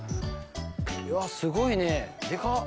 うわすごいねデカっ！